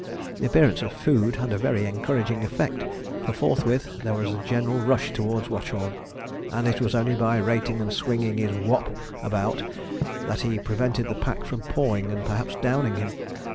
The appearance of food had a very encouraging effect, for forthwith there was a general rush towards Watchorn, and it was only by rating and swinging his 'whop' about that he prevented the pack from pawing, and perhaps downing him.